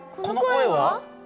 この声は？